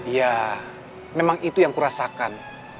ya memang itu yang kurasakan